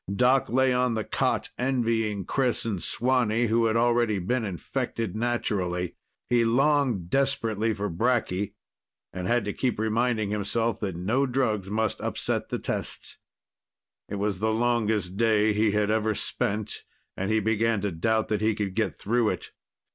Doc lay on the cot, envying Chris and Swanee who had already been infected naturally. He longed desperately for bracky, and had to keep reminding himself that no drugs must upset the tests. It was the longest day he had ever spent, and he began to doubt that he could get through it.